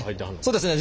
そうですね。